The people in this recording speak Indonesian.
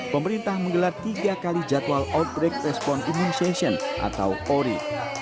pemerintah menggelar tiga kali jadwal outbreak response immunization atau ori